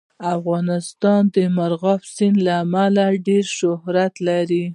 افغانستان د مورغاب سیند له امله ډېر شهرت لري.